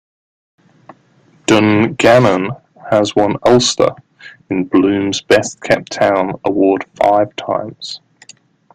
Dungannon has won Ulster in Bloom's Best Kept Town Award five times.